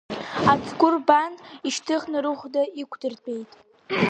Ацгәы рбан, ишьҭыхны рыхәда иқәдыртәеит.